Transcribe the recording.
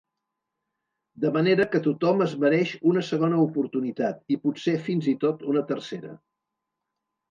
De manera que tothom es mereix una segona oportunitat i potser, fins i tot, una tercera.